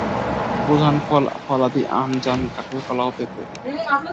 প্রধান ফল-ফলাদি আম, জাম, কাঁঠাল, কলা ও পেঁপে।